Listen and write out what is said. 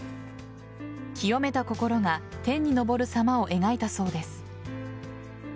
清めた心が天に昇るさまを描いたそうです。